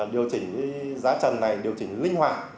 điều chỉnh giá trần này điều chỉnh linh hoạt